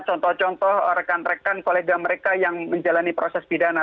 contoh contoh rekan rekan kolega mereka yang menjalani proses pidana